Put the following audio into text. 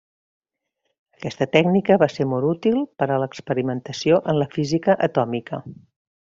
Aquesta tècnica va ser molt útil per a l'experimentació en la física atòmica.